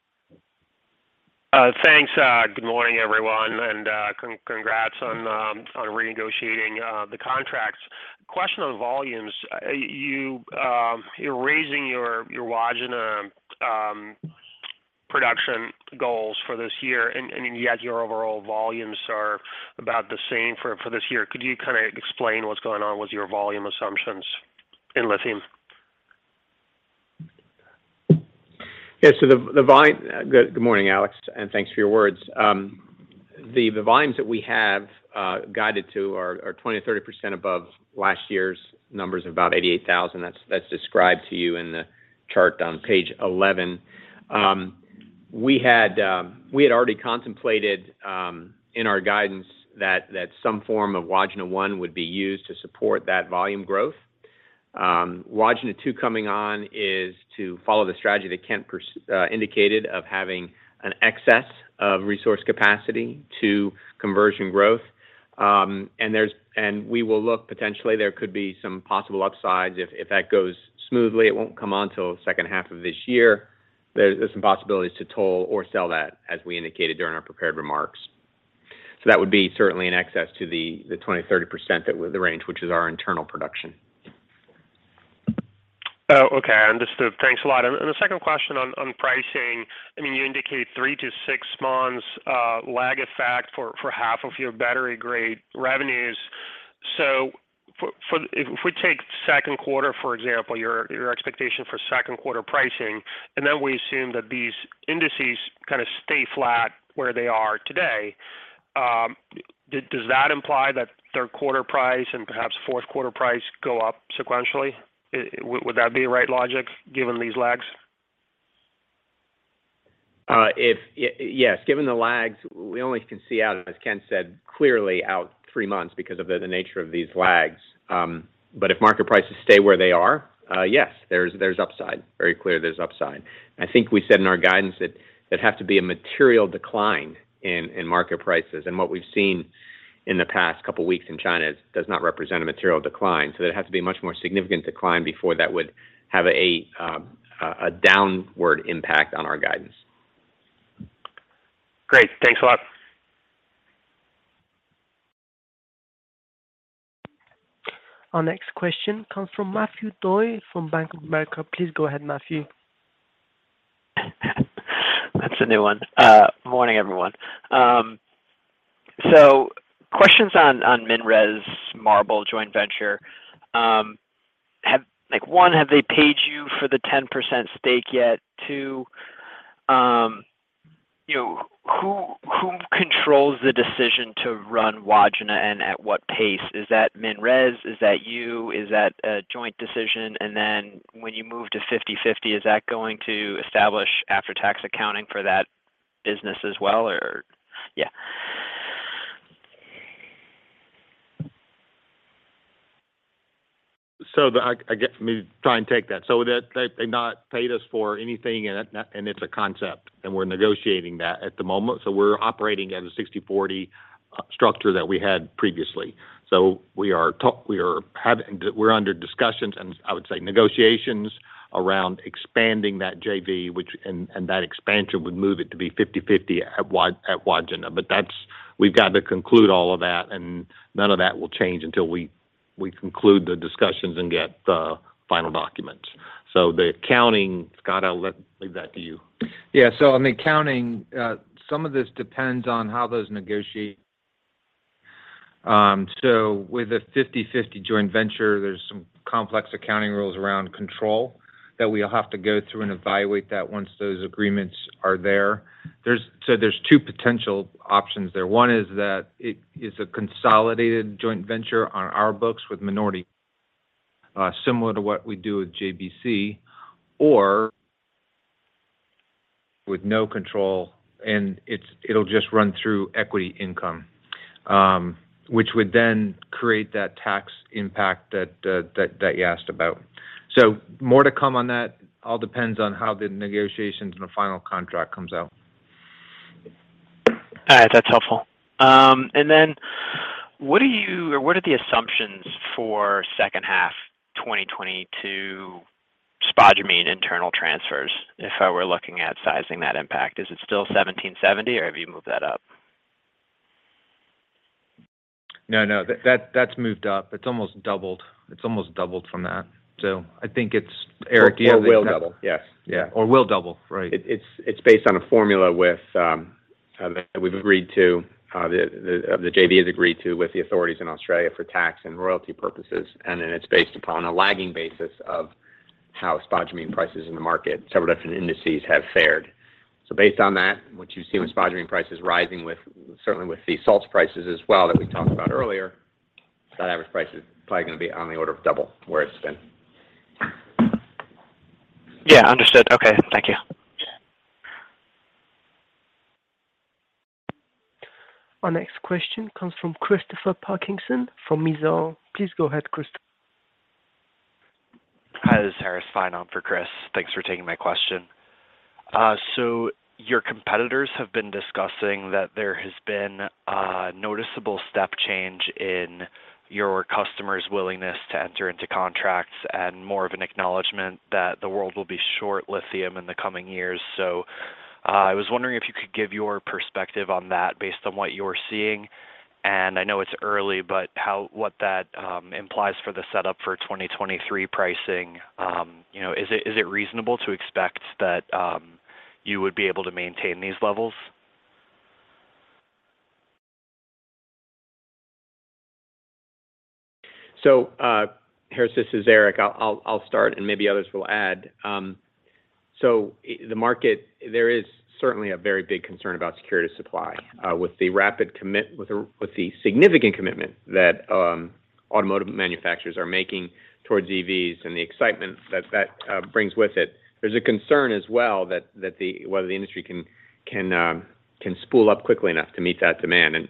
Speaker 12: Thanks. Good morning, everyone. Congrats on renegotiating the contracts. Question on volumes. You're raising your Wodgina production goals for this year, and yet your overall volumes are about the same for this year. Could you kinda explain what's going on with your volume assumptions in lithium?
Speaker 6: Yeah. Good morning, Aleksey, and thanks for your words. The volumes that we have guided to are 20%-30% above last year's numbers of about 88,000. That's described to you in the chart on page 11. We had already contemplated in our guidance that some form of Wodgina 1 would be used to support that volume growth. Wodgina 2 coming on is to follow the strategy that Kent indicated of having an excess of resource capacity to conversion growth. We will look, potentially, there could be some possible upsides if that goes smoothly. It won't come on till second half of this year. There's some possibilities to toll or sell that, as we indicated during our prepared remarks. That would be certainly in excess of the 20%-30% range, which is our internal production.
Speaker 12: Oh, okay. Understood. Thanks a lot. The second question on pricing. I mean, you indicate three to six months lag effect for half of your battery-grade revenues. If we take second quarter, for example, your expectation for second quarter pricing. Then we assume that these indices kind of stay flat where they are today. Does that imply that third quarter price and perhaps fourth quarter price go up sequentially? Would that be the right logic given these lags?
Speaker 6: Yes, given the lags, we only can see out, as Kent said, clearly out three months because of the nature of these lags. But if market prices stay where they are, yes, there's upside. Very clear there's upside. I think we said in our guidance that it has to be a material decline in market prices. What we've seen in the past couple weeks in China does not represent a material decline. It has to be a much more significant decline before that would have a downward impact on our guidance.
Speaker 12: Great. Thanks a lot.
Speaker 1: Our next question comes from Matthew DeYoe from Bank of America. Please go ahead, Matthew.
Speaker 13: That's a new one. Morning, everyone. So questions on MinRes MARBL joint venture. Like one, have they paid you for the 10% stake yet? Two, whom controls the decision to run Wodgina and at what pace? Is that MinRes? Is that you? Is that a joint decision? Then when you move to 50/50, is that going to establish after-tax accounting for that business as well?
Speaker 3: I guess, let me try and take that. They've not paid us for anything and it's a concept, and we're negotiating that at the moment. We're operating at a 60/40 structure that we had previously. We're under discussions and I would say negotiations around expanding that JV, and that expansion would move it to be 50/50 at Wodgina. We've got to conclude all of that, and none of that will change until we conclude the discussions and get the final documents. The accounting, Scott, I'll leave that to you.
Speaker 4: Yeah. On the accounting, some of this depends on how those negotiate. With a 50/50 joint venture, there's some complex accounting rules around control that we'll have to go through and evaluate that once those agreements are there. There's two potential options there. One is that it is a consolidated joint venture on our books with minority similar to what we do with JBC or with no control, and it will just run through equity income, which would then create that tax impact that you asked about. More to come on that. All depends on how the negotiations and the final contract comes out.
Speaker 13: All right. That's helpful. What are you or what are the assumptions for second half 2022 spodumene internal transfers if I were looking at sizing that impact? Is it still $1,770 or have you moved that up?
Speaker 3: No. That's moved up. It's almost doubled from that. I think it's or will double. Eric, or will double. Yes. Yeah. Right. It's based on a formula with that we've agreed to, the JV has agreed to with the authorities in Australia for tax and royalty purposes. It's based upon a lagging basis of how spodumene prices in the market, several different indices have fared. Based on that, what you see with spodumene prices rising, certainly with the salts prices as well that we talked about earlier, that average price is probably gonna be on the order of double where it's been.
Speaker 13: Yeah. Understood. Okay. Thank you.
Speaker 1: Our next question comes from Christopher Parkinson from Mizuho. Please go ahead, Christopher.
Speaker 14: Hi, this is Harris Fein on for Chris. Thanks for taking my question. Your competitors have been discussing that there has been a noticeable step change in your customers' willingness to enter into contracts and more of an acknowledgement that the world will be short lithium in the coming years. I was wondering if you could give your perspective on that based on what you're seeing. I know it's early, but how what that implies for the setup for 2023 pricing. You know, is it reasonable to expect that you would be able to maintain these levels?
Speaker 6: Harris, this is Eric. I'll start, and maybe others will add. The market, there is certainly a very big concern about security of supply with the significant commitment that automotive manufacturers are making towards EVs and the excitement that brings with it. There's a concern as well whether the industry can spool up quickly enough to meet that demand.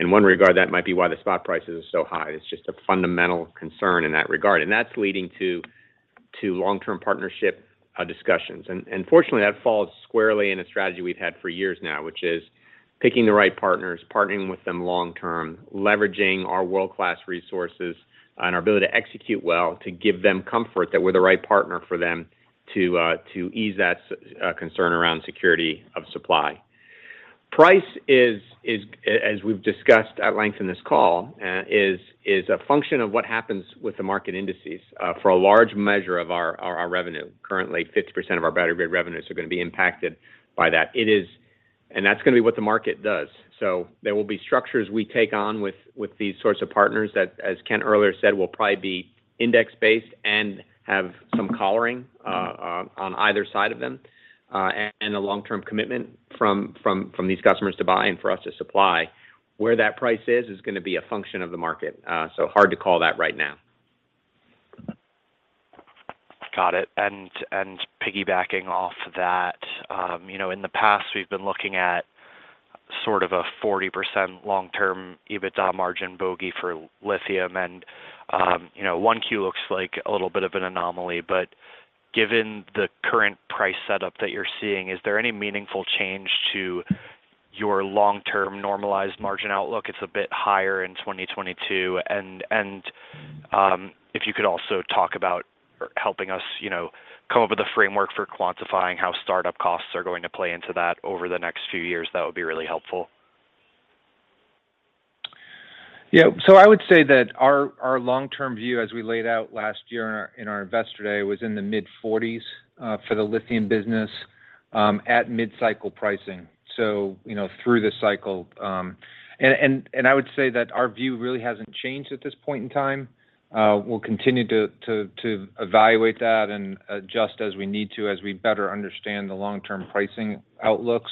Speaker 6: In one regard, that might be why the spot prices are so high. It's just a fundamental concern in that regard. That's leading to long-term partnership discussions. Fortunately, that falls squarely in a strategy we've had for years now, which is picking the right partners, partnering with them long term, leveraging our world-class resources and our ability to execute well to give them comfort that we're the right partner for them to ease that concern around security of supply. Price is, as we've discussed at length in this call, a function of what happens with the market indices for a large measure of our revenue. Currently, 50% of our battery grade revenues are gonna be impacted by that. It is. That's gonna be what the market does. There will be structures we take on with these sorts of partners that, as Kent earlier said, will probably be index-based and have some collaring on either side of them, and a long-term commitment from these customers to buy and for us to supply. Where that price is gonna be a function of the market, so hard to call that right now.
Speaker 14: Got it. Piggybacking off that, you know, in the past, we've been looking at sort of a 40% long-term EBITDA margin bogey for lithium and, you know, 1Q looks like a little bit of an anomaly. Given the current price setup that you're seeing, is there any meaningful change to your long-term normalized margin outlook? It's a bit higher in 2022. If you could also talk about helping us, you know, come up with a framework for quantifying how start-up costs are going to play into that over the next few years, that would be really helpful.
Speaker 3: I would say that our long-term view as we laid out last year in our Investor Day was in the mid-40s for the Lithium business at mid-cycle pricing. You know, through the cycle. I would say that our view really hasn't changed at this point in time. We'll continue to evaluate that and adjust as we need to as we better understand the long-term pricing outlooks.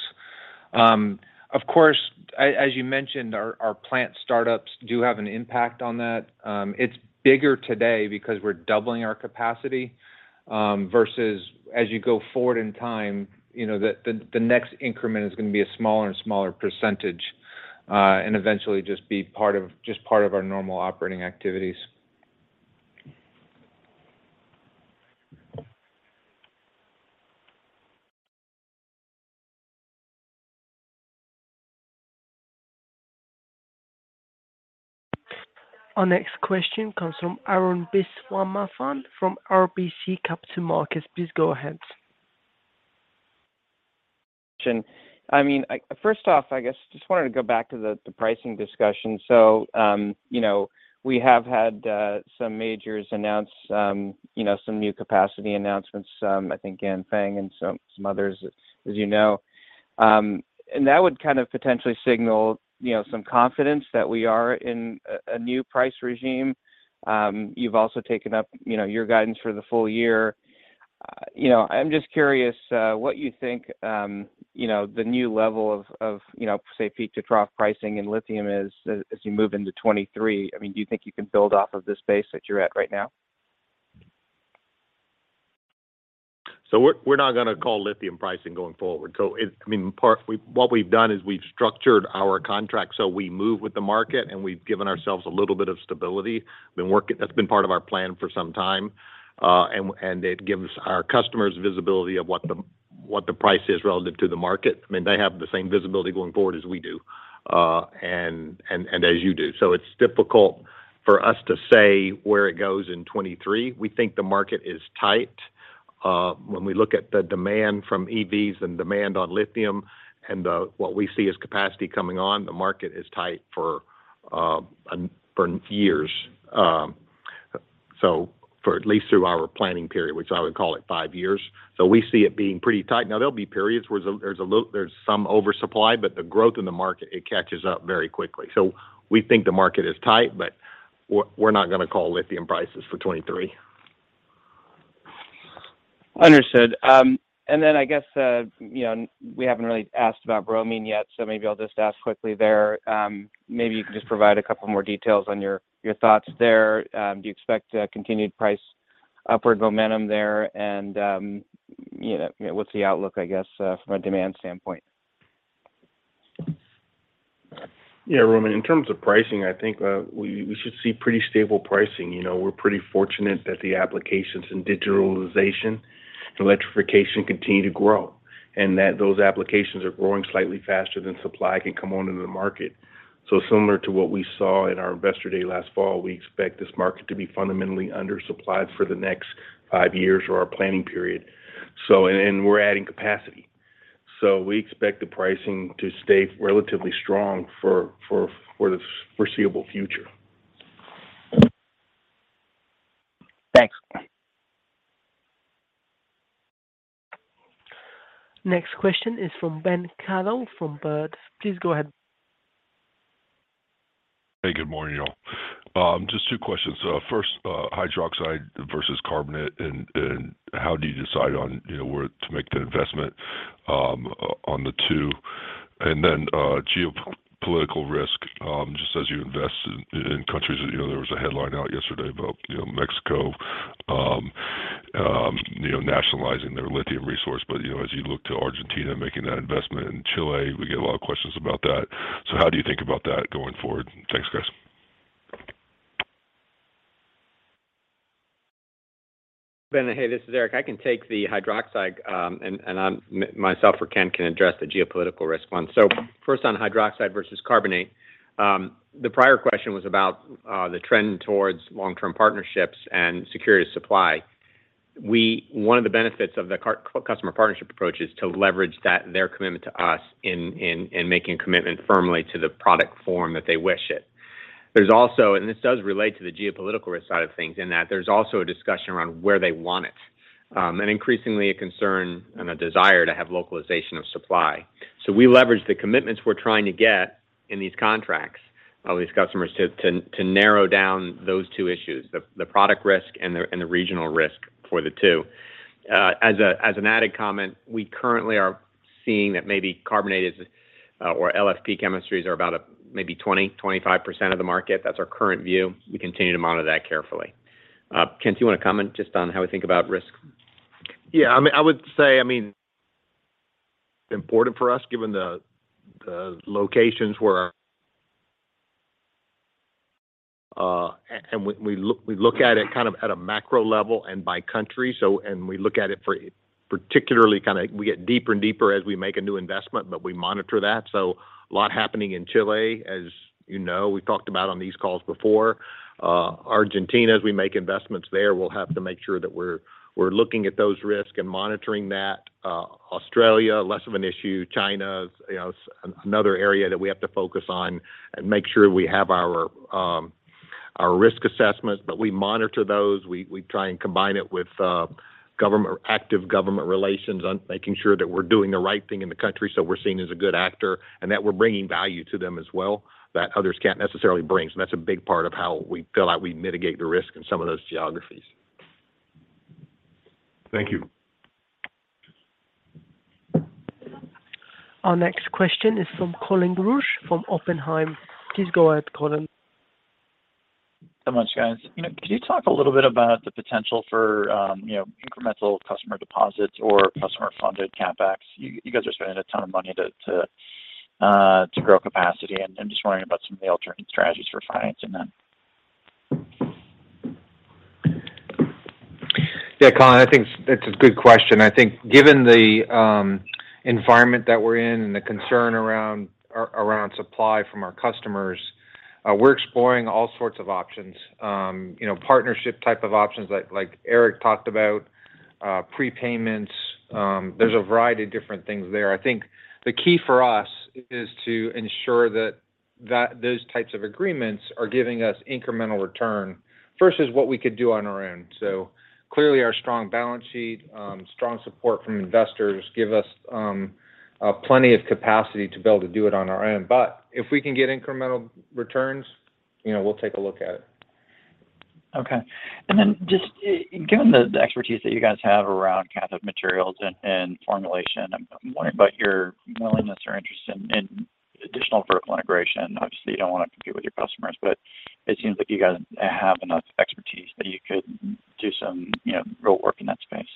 Speaker 3: Of course, as you mentioned, our plant startups do have an impact on that. It's bigger today because we're doubling our capacity versus as you go forward in time. You know, the next increment is gonna be a smaller and smaller percentage, and eventually just be part of our normal operating activities.
Speaker 1: Our next question comes from Arun Viswanathan from RBC Capital Markets. Please go ahead.
Speaker 15: I mean, first off, I guess just wanted to go back to the pricing discussion. You know, we have had some majors announce you know, some new capacity announcements, I think Ganfeng and some others as you know. That would kind of potentially signal you know, some confidence that we are in a new price regime. You've also taken up you know, your guidance for the full year. You know, I'm just curious what you think you know, the new level of you know, say, peak to trough pricing in lithium is as you move into 2023. I mean, do you think you can build off of this base that you're at right now?
Speaker 3: We're not gonna cap lithium pricing going forward. What we've done is we've structured our contract so we move with the market, and we've given ourselves a little bit of stability. That's been part of our plan for some time. It gives our customers visibility of what the price is relative to the market. I mean, they have the same visibility going forward as we do as you do. It's difficult for us to say where it goes in 2023. We think the market is tight. When we look at the demand from EVs and demand for lithium and what we see as capacity coming on, the market is tight for years. For at least through our planning period, which I would call it five years. We see it being pretty tight. Now there'll be periods where there's some oversupply, but the growth in the market, it catches up very quickly. We think the market is tight, but we're not gonna call lithium prices for 2023.
Speaker 15: Understood. I guess you know, we haven't really asked about bromine yet, so maybe I'll just ask quickly there. Maybe you can just provide a couple more details on your thoughts there. Do you expect continued price upward momentum there? You know, what's the outlook, I guess, from a demand standpoint?
Speaker 3: Yeah, Arun, in terms of pricing, I think we should see pretty stable pricing. You know, we're pretty fortunate that the applications in digitalization and electrification continue to grow, and that those applications are growing slightly faster than supply can come onto the market. Similar to what we saw in our Investor Day last fall, we expect this market to be fundamentally undersupplied for the next five years or our planning period. And we're adding capacity. We expect the pricing to stay relatively strong for the foreseeable future.
Speaker 15: Thanks.
Speaker 1: Next question is from Ben Kallo from Baird. Please go ahead.
Speaker 16: Hey, good morning, y'all. Just two questions. First, hydroxide versus carbonate and how do you decide on, you know, where to make the investment on the two? Geopolitical risk, just as you invest in countries, you know, there was a headline out yesterday about, you know, Mexico nationalizing their lithium resource. You know, as you look to Argentina making that investment and Chile, we get a lot of questions about that. How do you think about that going forward? Thanks, guys.
Speaker 6: Ben, hey, this is Eric. I can take the hydroxide and myself or Kent can address the geopolitical risk one. First on hydroxide versus carbonate, the prior question was about the trend towards long-term partnerships and security of supply. One of the benefits of the customer partnership approach is to leverage that, their commitment to us in making commitment firmly to the product form that they wish it. There's also, and this does relate to the geopolitical risk side of things, in that there's also a discussion around where they want it. And increasingly a concern and a desire to have localization of supply. We leverage the commitments we're trying to get in these contracts, all these customers to narrow down those two issues, the product risk and the regional risk for the two. As an added comment, we currently are seeing that maybe carbonate or LFP chemistries are about maybe 20-25% of the market. That's our current view. We continue to monitor that carefully. Kent, do you want to comment just on how we think about risk?
Speaker 3: Yeah. I mean, I would say important for us, given the locations. We look at it kind of at a macro level and by country. We look at it particularly. We get deeper and deeper as we make a new investment, but we monitor that. A lot happening in Chile, as you know, we've talked about on these calls before. Argentina, as we make investments there, we'll have to make sure that we're looking at those risks and monitoring that. Australia, less of an issue. China, you know, another area that we have to focus on and make sure we have our risk assessments. We monitor those. We try and combine it with active government relations on making sure that we're doing the right thing in the country so we're seen as a good actor, and that we're bringing value to them as well that others can't necessarily bring. That's a big part of how we feel like we mitigate the risk in some of those geographies.
Speaker 16: Thank you.
Speaker 1: Our next question is from Colin Rusch from Oppenheimer. Please go ahead, Colin.
Speaker 17: So much, guys. Can you talk a little bit about the potential for incremental customer deposits or customer-funded CapEx? You guys are spending a ton of money to grow capacity, and I'm just wondering about some of the alternate strategies for financing them.
Speaker 3: Yeah, Colin, I think it's a good question. I think given the environment that we're in and the concern around supply from our customers, we're exploring all sorts of options. You know, partnership type of options like Eric talked about, prepayments. There's a variety of different things there. I think the key for us is to ensure that those types of agreements are giving us incremental return versus what we could do on our own. Clearly, our strong balance sheet, strong support from investors give us plenty of capacity to be able to do it on our own. If we can get incremental returns, you know, we'll take a look at it.
Speaker 17: Okay. Just given the expertise that you guys have around cathode materials and formulation, I'm wondering about your willingness or interest in additional vertical integration. Obviously, you don't want to compete with your customers, but it seems like you guys have enough expertise that you could do some, you know, real work in that space.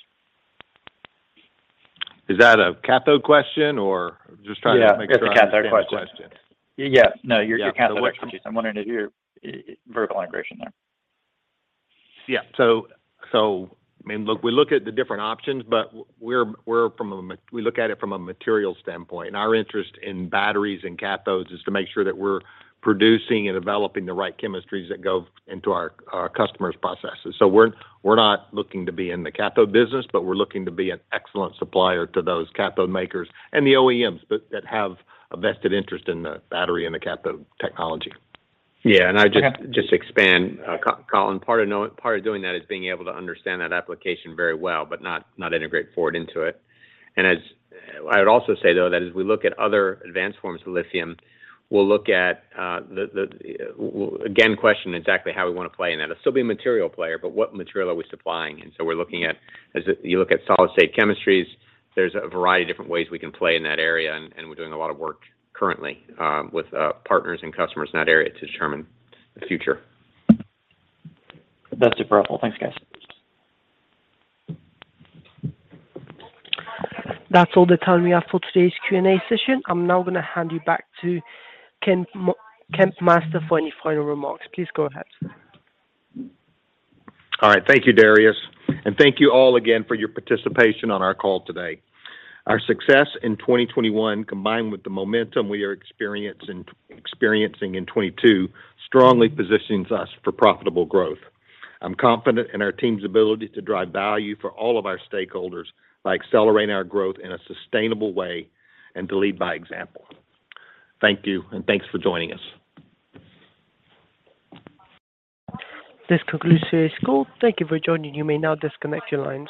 Speaker 3: Is that a cathode question or? Just trying to make sure I understand the question.
Speaker 6: It's a cathode question.
Speaker 17: No, your cathode expertise. I'm wondering if your vertical integration there.
Speaker 3: Yeah. I mean, look, we look at the different options, but we look at it from a material standpoint. Our interest in batteries and cathodes is to make sure that we're producing and developing the right chemistries that go into our customers' processes. We're not looking to be in the cathode business, but we're looking to be an excellent supplier to those cathode makers and the OEMs that have a vested interest in the battery and the cathode technology.
Speaker 6: Yeah. I'd just
Speaker 17: Okay
Speaker 6: Just expand, Colin. Part of doing that is being able to understand that application very well, but not integrate forward into it. I would also say, though, that as we look at other advanced forms of lithium, we'll look at. We'll again question exactly how we wanna play in that. It'll still be a material player, but what material are we supplying in? We're looking at, as you look at solid-state chemistries, there's a variety of different ways we can play in that area, and we're doing a lot of work currently with partners and customers in that area to determine the future.
Speaker 17: That's super helpful. Thanks, guys.
Speaker 1: That's all the time we have for today's Q&A session. I'm now gonna hand you back to Kent Masters for any final remarks. Please go ahead.
Speaker 3: All right. Thank you, Darius. Thank you all again for your participation on our call today. Our success in 2021, combined with the momentum we are experiencing in 2022, strongly positions us for profitable growth. I'm confident in our team's ability to drive value for all of our stakeholders by accelerating our growth in a sustainable way and to lead by example. Thank you, and thanks for joining us.
Speaker 1: This concludes today's call. Thank you for joining. You may now disconnect your lines.